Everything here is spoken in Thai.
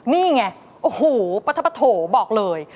นี่ไงโอ้โฮปะทะปะโถบอกเลย